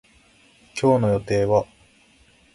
今日の予定は